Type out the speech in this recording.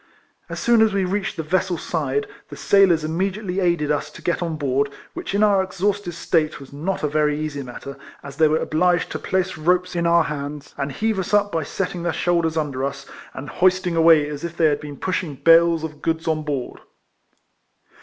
As soon as we reached the vessel's side, the sailors immediately aided us to get on board, which in our ex EIFLEMAN HAERIS. 233 hausted state was not a very easy matter, as they were obliged to place ropes in oar hands, and heave us up by setting their shoulders under us, and hoisting away as if they had been pushing bales of goods on board.